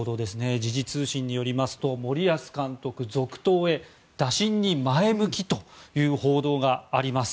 時事通信によりますと森保監督、続投へ打診に前向きという報道があります。